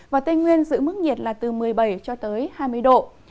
và tây nguyên giữ mức nhiệt là từ một mươi bảy cho tới hai mươi độ